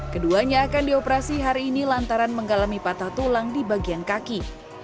keduanya akan dioperasi hari ini lantaran mengalami patah tulang di bagian kaki